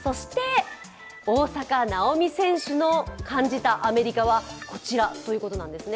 大坂なおみ選手の感じたアメリカはこちらというわけですね。